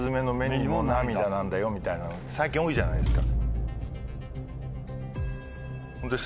みたいなの最近多いじゃないですか。